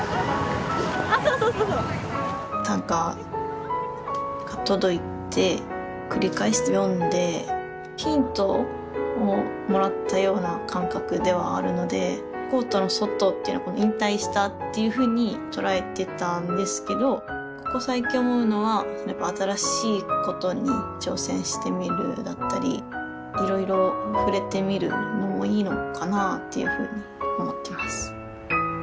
短歌が届いて繰り返して読んでヒントをもらったような感覚ではあるのでコートの外っていうのは引退したっていうふうに捉えてたんですけどここ最近思うのはやっぱ新しいことに挑戦してみるだったりいろいろ触れてみるのもいいのかなぁというふうに思ってます。